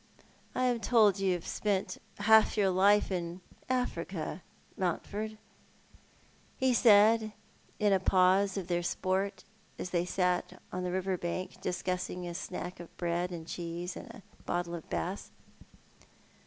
" I am told you have spent half your life in Africa, Mountford," he said in a jjause of their sport, as they sat on the river bank discussing a snack of bread and cheese and a bottle of Bass.